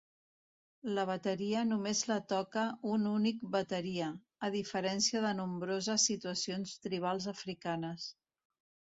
La bateria només la toca un únic bateria, a diferència de nombroses situacions tribals africanes.